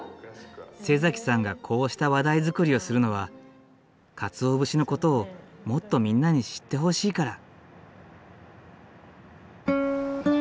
さんがこうした話題作りをするのは鰹節の事をもっとみんなに知ってほしいから。